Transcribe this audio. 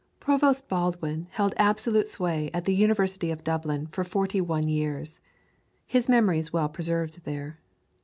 Provost Baldwin held absolute sway in the University of Dublin for forty one years. His memory is well preserved there.